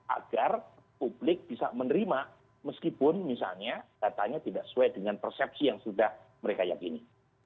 agar publik bisa menerima meskipun misalnya datanya tidak sesuai dengan persepsi yang sudah mereka yakini